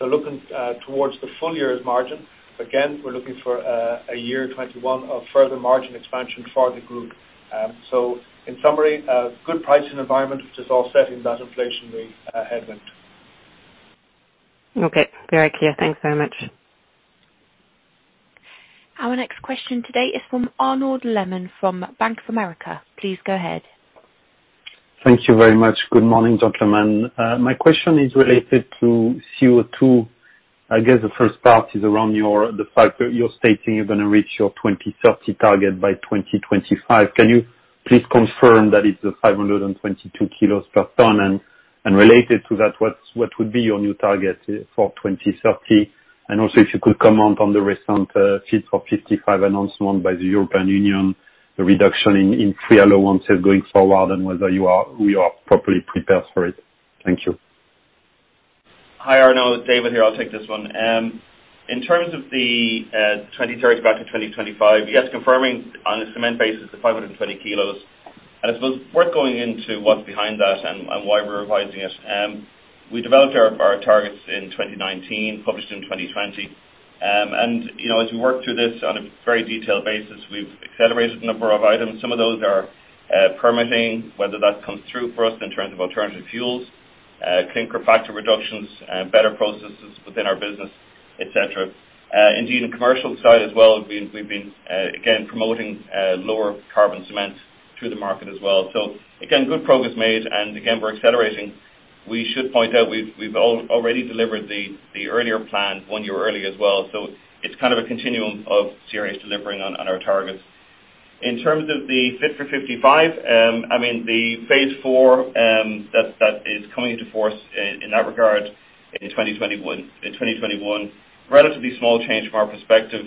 Looking towards the full year's margin, again, we're looking for a year 2021 of further margin expansion for the group. In summary, a good pricing environment, which is offsetting that inflationary headwind. Okay. Very clear. Thanks very much. Our next question today is from Arnold Lemon from Bank of America. Please go ahead. Thank you very much. Good morning, gentlemen. My question is related to CO2. I guess the first part is around the fact that you're stating you're going to reach your 2030 target by 2025. Can you please confirm that it's the 522 kilos per ton? Related to that, what would be your new target for 2030? Also, if you could comment on the recent Fit for 55 announcement by the European Union, the reduction in free allowances going forward, and whether you are properly prepared for it. Thank you. Hi, Arnold. David here. I'll take this one. In terms of the 2030 target, 2025, yes, confirming on a cement basis, the 520 kilos. I suppose worth going into what's behind that and why we're revising it. We developed our targets in 2019, published in 2020. As we worked through this on a very detailed basis, we've accelerated a number of items. Some of those are permitting, whether that comes through for us in terms of alternative fuels, clinker factor reductions, better processes within our business, et cetera. Indeed, in commercial side as well, we've been, again, promoting lower carbon cement to the market as well. Again, good progress made, and again, we're accelerating. We should point out we've already delivered the earlier plan one year early as well. It's kind of a continuum of CRH delivering on our targets. In terms of the Fit for 55, the phase 4 that is coming into force in that regard in 2021, relatively small change from our perspective.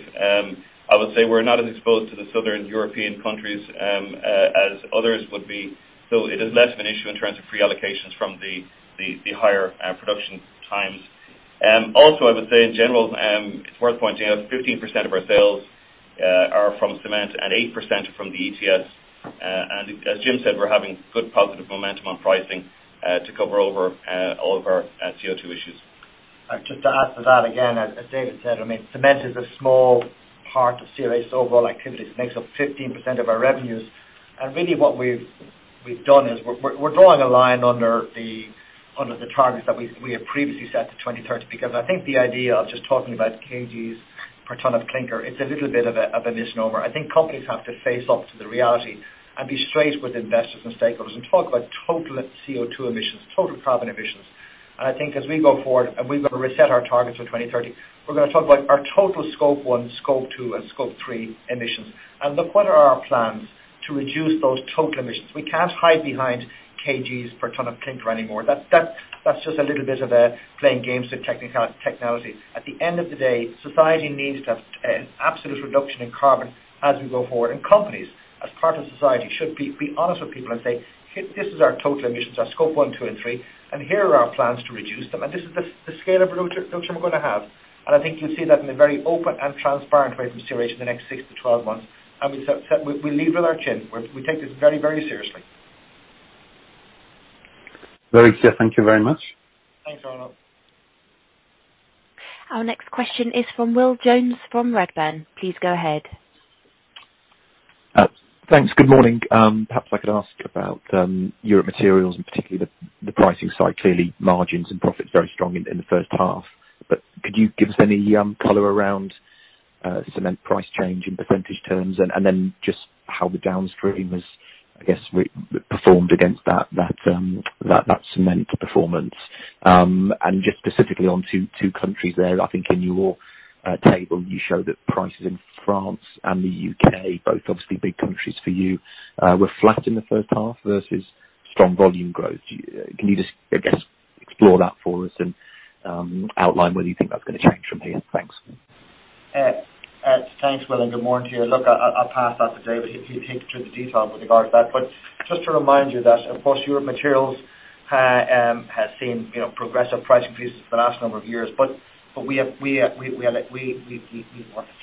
I would say we're not as exposed to the southern European countries as others would be. It is less of an issue in terms of pre-allocations from the higher production times. I would say in general, it's worth pointing out 15% of our sales are from cement and 8% are from the ETS. As Jim said, we're having good positive momentum on pricing to cover over all of our CO2 issues. Just to add to that, again, as David said, cement is a small part of CRH's overall activities. It makes up 15% of our revenues. Really what we've done is we're drawing a line under the targets that we had previously set to 2030, because I think the idea of just talking about kgs per ton of clinker, it's a little bit of a misnomer. I think companies have to face up to the reality and be straight with investors and stakeholders and talk about total CO2 emissions, total carbon emissions. I think as we go forward, and we've got to reset our targets for 2030, we're going to talk about our total scope one, scope two, and scope three emissions and look what are our plans to reduce those total emissions. We can't hide behind kgs per ton of clinker anymore. That's just a little bit of playing games with technology. At the end of the day, society needs to have an absolute reduction in carbon as we go forward, and companies, as part of society, should be honest with people and say, "This is our total emissions, our scope one, two, and Scope 3, and here are our plans to reduce them, and this is the scale of reduction we're going to have." I think you'll see that in a very open and transparent way from CRH in the next 6 to 12 months. We lead with our chin. We take this very seriously. Very clear. Thank you very much. Thanks, Arnold. Our next question is from Will Jones from Redburn. Please go ahead. Thanks. Good morning. Perhaps if I could ask about Europe Materials and particularly the pricing side. Clearly, margins and profits very strong in the first half. Could you give us any color around cement price change in percentage terms, and then just how the downstream has, I guess, performed against that cement performance? Just specifically on two countries there. I think in your table, you show that prices in France and the U.K., both obviously big countries for you, were flat in the first half versus strong volume growth. Can you just, I guess, explore that for us and outline whether you think that's going to change from here? Thanks. Thanks, Will, and good morning to you. Look, I'll pass that to David. He'd take you through the details with regards to that. Just to remind you that, of course, Europe Materials has seen progressive price increases for the last number of years. We have a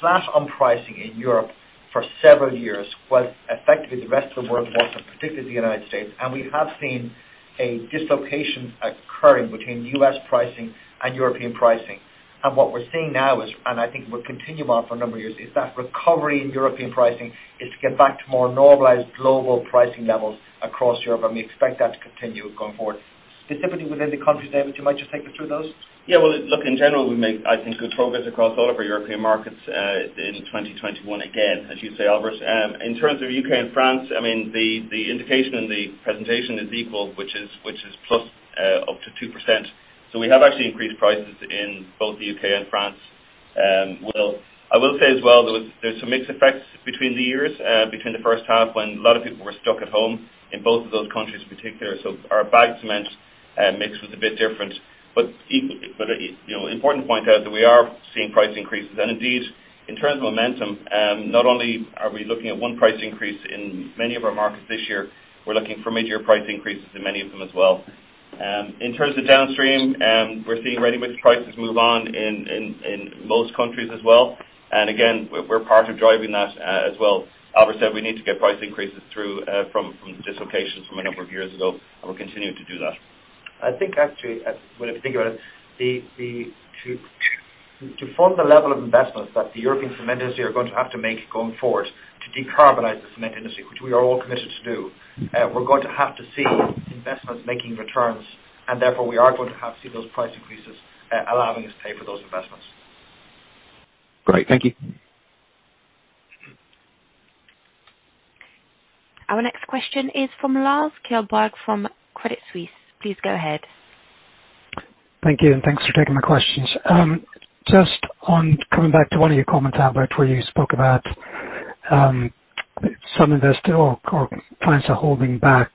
flash on pricing in Europe for several years, while effectively the rest of the world has not, particularly the United States. We have seen a dislocation occurring between U.S. pricing and European pricing. What we're seeing now is, and I think will continue on for a number of years, is that recovery in European pricing is to get back to more normalized global pricing levels across Europe, and we expect that to continue going forward. Specifically within the countries, David, you might just take me through those. Well, look, in general, we make, I think, good progress across all of our European markets, in 2021 again, as you say, Albert. In terms of U.K. and France, the indication in the presentation is equal, which is plus up to 2%. We have actually increased prices in both the U.K. and France. I will say as well, there's some mixed effects between the years, between the first half when a lot of people were stuck at home in both of those countries in particular, so our bag cement mix was a bit different. Important to point out that we are seeing price increases. Indeed, in terms of momentum, not only are we looking at one price increase in many of our markets this year, we're looking for major price increases in many of them as well. In terms of downstream, we're seeing readymix prices move on in most countries as well. Again, we're part of driving that as well. Albert said we need to get price increases through from the dislocations from a number of years ago, we're continuing to do that. I think actually, when you think about it, to fund the level of investments that the European cement industry are going to have to make going forward to decarbonize the cement industry, which we are all committed to do, we're going to have to see investments making returns. Therefore, we are going to have to see those price increases, allowing us to pay for those investments. Great. Thank you. Our next question is from Lars Kjellberg from Credit Suisse. Please go ahead. Thank you, and thanks for taking my questions. Just on coming back to one of your comments, Albert, where you spoke about some investors or clients are holding back,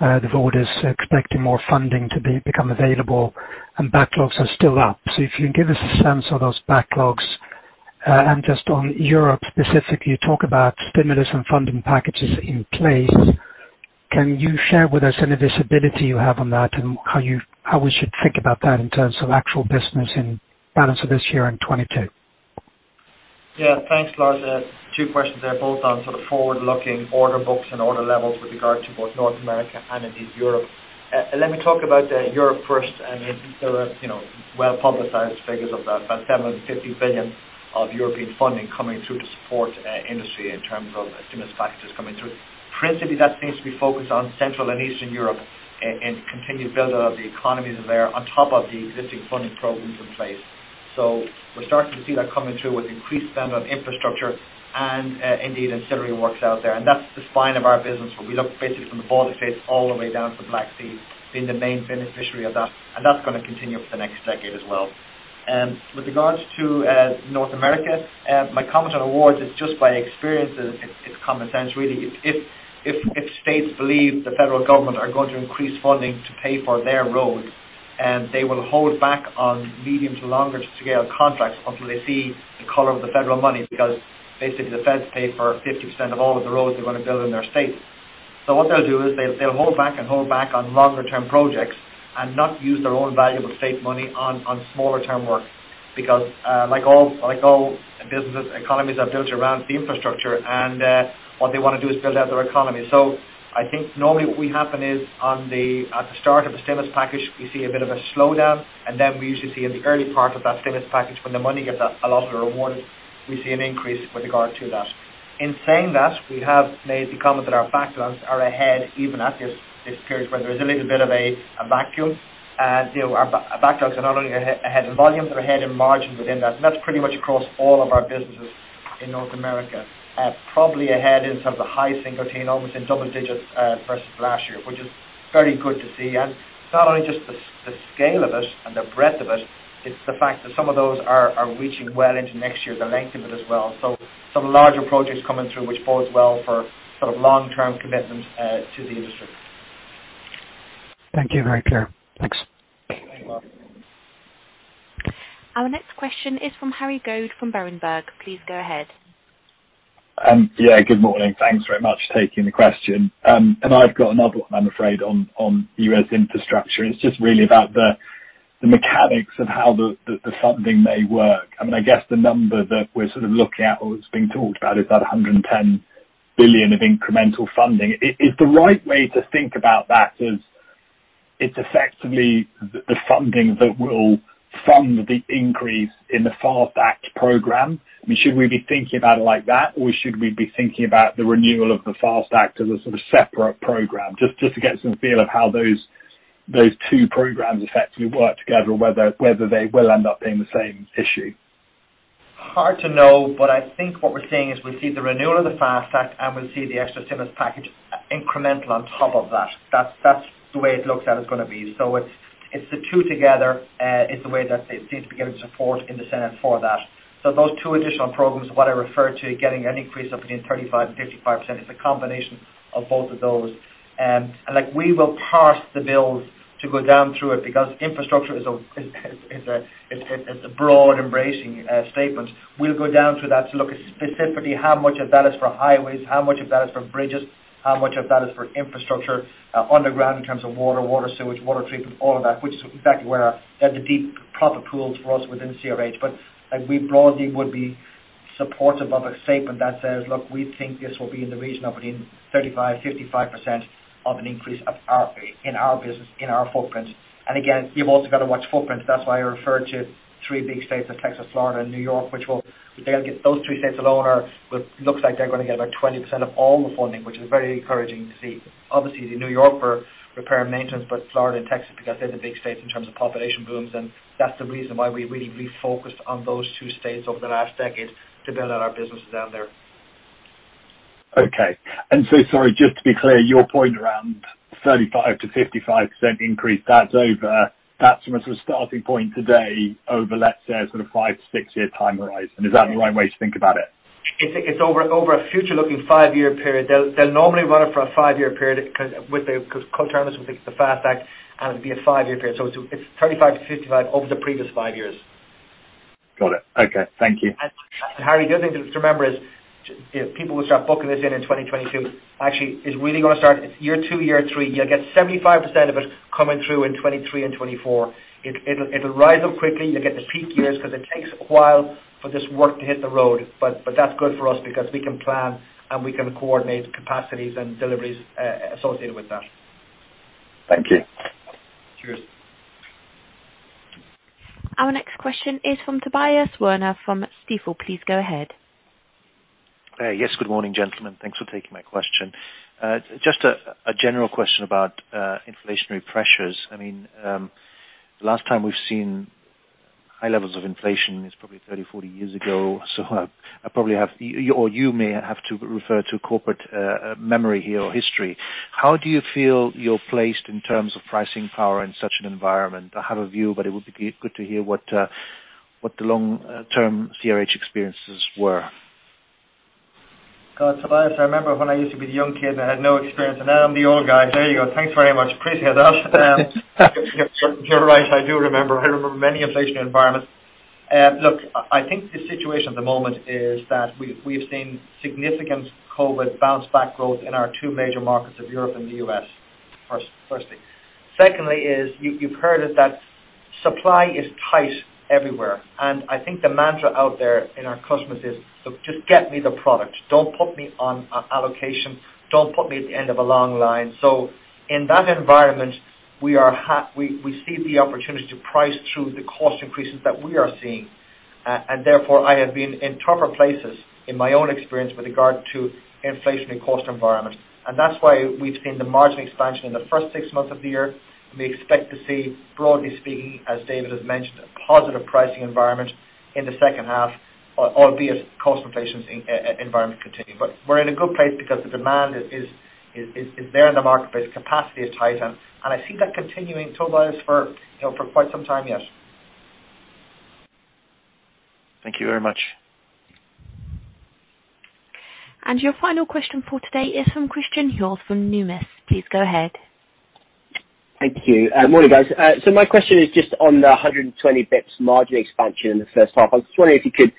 the board is expecting more funding to become available and backlogs are still up. If you can give us a sense of those backlogs. Just on Europe specifically, you talk about stimulus and funding packages in place. Can you share with us any visibility you have on that and how we should think about that in terms of actual business in balance of this year and 2022? Thanks, Lars. Two questions there, both on sort of forward-looking order books and order levels with regard to both North America and indeed Europe. Let me talk about Europe first. There was well-publicized figures of that, about 750 billion of European funding coming through to support industry in terms of stimulus packages coming through. Principally, that seems to be focused on Central and Eastern Europe and continued build-up of the economies there on top of the existing funding programs in place. We're starting to see that coming through with increased spend on infrastructure and, indeed, ancillary works out there. That's the spine of our business, where we look basically from the border states all the way down to the Black Sea, being the main beneficiary of that. That's going to continue for the next decade as well. With regards to North America, my comment on awards is just by experience, it's common sense, really. If states believe the federal government are going to increase funding to pay for their roads, they will hold back on medium to longer scale contracts until they see the color of the federal money, because basically, the feds pay for 50% of all of the roads they're going to build in their state. What they'll do is they'll hold back and hold back on longer-term projects and not use their own valuable state money on smaller term work because, like all businesses, economies are built around the infrastructure, and what they want to do is build out their economy. I think normally what will happen is at the start of a stimulus package, we see a bit of a slowdown, and then we usually see in the early part of that stimulus package, when the money gets out, a lot of it awarded, we see an increase with regard to that. In saying that, we have made the comment that our backlogs are ahead, even at this period where there's a little bit of a vacuum. Our backlogs are not only ahead in volume, they're ahead in margin within that, and that's pretty much across all of our businesses in North America. Probably ahead in terms of high single teen, almost in double-digits, versus last year, which is very good to see. It's not only just the scale of it and the breadth of it's the fact that some of those are reaching well into next year, the length of it as well. Some larger projects coming through, which bodes well for long-term commitment to the industry. Thank you. Very clear. Thanks. You're very welcome. Our next question is from Harry Goad from Berenberg. Please go ahead. Yeah. Good morning. Thanks very much for taking the question. I've got another one, I'm afraid, on U.S. infrastructure, it's just really about the mechanics of how the funding may work. I guess the number that we're sort of looking at or that's being talked about is that $110 billion of incremental funding. Is the right way to think about that is it's effectively the funding that will fund the increase in the FAST Act program? Should we be thinking about it like that, or should we be thinking about the renewal of the FAST Act as a sort of separate program? Just to get some feel of how those two programs effectively work together, whether they will end up being the same issue. Hard to know, but I think what we're seeing is we'll see the renewal of the FAST Act, and we'll see the extra stimulus package incremental on top of that. That's the way it looks that it's going to be. It's the two together is the way that it seems to be getting support in the Senate for that. Those two additional programs are what I refer to getting an increase of between 35% and 55%. It's a combination of both of those. We will parse the bills to go down through it because infrastructure is a broad embracing statement. We'll go down to that to look at specifically how much of that is for highways, how much of that is for bridges, how much of that is for infrastructure underground in terms of water sewage, water treatment, all of that, which is exactly where the deep profit pools for us within CRH. We broadly would be supportive of a statement that says, "Look, we think this will be in the region of between 35% and 55% of an increase in our business, in our footprint." Again, you've also got to watch footprints. That's why I referred to three big states of Texas, Florida, and New York, those three states alone looks like they're going to get about 20% of all the funding, which is very encouraging to see, obviously, New York for repair and maintenance, but Florida and Texas, because they're the big states in terms of population booms, and that's the reason why we really refocused on those two states over the last decade to build out our businesses down there. Okay. Sorry, just to be clear, your point around 35%-55% increase, that's from a sort of starting point today over, let's say, sort of five to six-year time horizon. Is that the right way to think about it? It's over a future-looking five-year period. They'll normally run it for a five-year period because culture analyst will think it's the FAST Act, and it'll be a five-year period. It's 35%-55% over the previous five years. Got it. Okay. Thank you. Harry, the other thing to remember is people will start booking this in in 2022. Actually, it's really going to start, it's year two, year three. You'll get 75% of it coming through in 2023 and 2024. It'll rise up quickly. You'll get the peak years because it takes a while for this work to hit the road. That's good for us because we can plan and we can coordinate capacities and deliveries associated with that. Thank you. Cheers. Our next question is from Tobias Werner from Stifel. Please go ahead. Yes. Good morning, gentlemen. Thanks for taking my question. Just a general question about inflationary pressures. The last time we've seen high levels of inflation is probably 30, 40 years ago, so I probably have, or you may have to refer to corporate memory here or history. How do you feel you're placed in terms of pricing power in such an environment? I have a view, but it would be good to hear what the long-term CRH experiences were. God, Tobias, I remember when I used to be the young kid and had no experience, and now I'm the old guy. There you go. Thanks very much. Appreciate that. You're right. I do remember. I remember many inflation environments. Look, I think the situation at the moment is that we've seen significant COVID bounce back growth in our two major markets of Europe and the U.S., firstly. Secondly is, you've heard it that supply is tight everywhere, and I think the mantra out there in our customers is, "Look, just get me the product. Don't put me on allocation. Don't put me at the end of a long line." In that environment, we see the opportunity to price through the cost increases that we are seeing. Therefore, I have been in tougher places in my own experience with regard to inflationary cost environment. That's why we've seen the margin expansion in the first six months of the year, and we expect to see, broadly speaking, as David has mentioned, a positive pricing environment in the second half, albeit cost inflation environment continue. We're in a good place because the demand is there in the marketplace. Capacity is tight, and I see that continuing, Tobias, for quite some time, yes. Thank you very much. Your final question for today is from Christian Häll from Numis. Please go ahead. Thank you. Morning, guys. My question is just on the 120 basis points margin expansion in the first half. I was just wondering if you could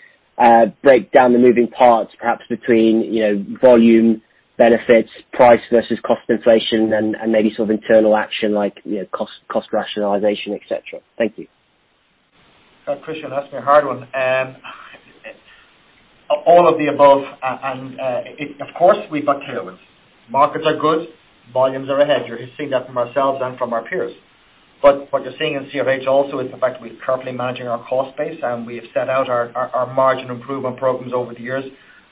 break down the moving parts, perhaps between volume benefits, price versus cost inflation, and maybe sort of internal action like cost rationalization, et cetera. Thank you. Christian, that's me a hard one. All of the above, of course, we've got tailwinds. Markets are good, volumes are ahead. You're seeing that from ourselves and from our peers. What you're seeing in CRH also is the fact that we're currently managing our cost base, and we have set out our margin improvement programs over the years,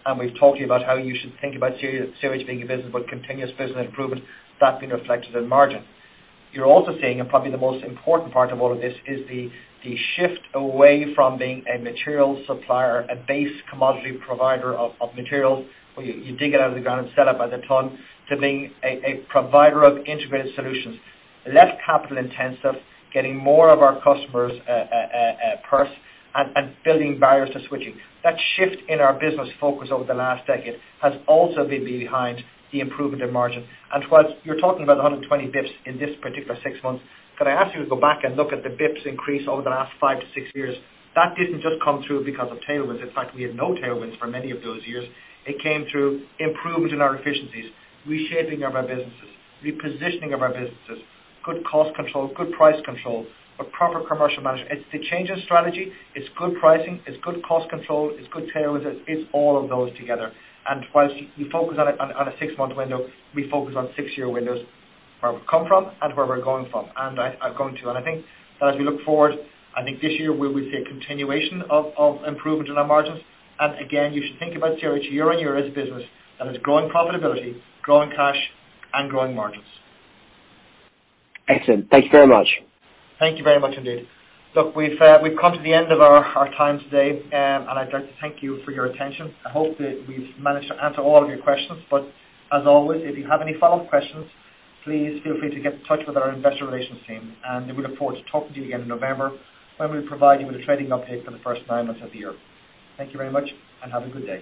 and we've talked to you about how you should think about CRH being a business with continuous business improvement. That's been reflected in margin. You're also seeing, probably the most important part of all of this, is the shift away from being a material supplier, a base commodity provider of materials where you dig it out of the ground and sell it by the ton, to being a provider of integrated solutions. Less capital intensive, getting more of our customers purse and building barriers to switching. That shift in our business focus over the last decade has also been behind the improvement in margin. Whilst you're talking about 120 basis points in this particular six months, could I ask you to go back and look at the basis points increase over the last five to six years? That didn't just come through because of tailwinds. In fact, we had no tailwinds for many of those years. It came through improvement in our efficiencies, reshaping of our businesses, repositioning of our businesses, good cost control, good price control, but proper commercial management. It's the change of strategy, it's good pricing, it's good cost control, it's good tailwinds. It's all of those together. Whilst we focus on a six-month window, we focus on six-year windows, where we've come from and where we're going to. I think that as we look forward, I think this year we will see a continuation of improvement in our margins. Again, you should think about CRH year-on-year as a business that is growing profitability, growing cash, and growing margins. Excellent. Thank you very much. Thank you very much indeed. Look, we've come to the end of our time today. I'd like to thank you for your attention. I hope that we've managed to answer all of your questions, as always, if you have any follow-up questions, please feel free to get in touch with our investor relations team. We look forward to talking to you again in November when we provide you with a trading update for the first nine months of the year. Thank you very much. Have a good day.